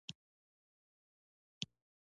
ستاسو پر لباس څوک خبره نه کوي.